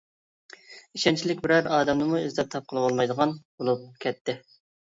ئىشەنچلىك بىرەر ئادەمنىمۇ ئىزدەپ تاپقىلى بولمايدىغان بولۇپ كەتتى.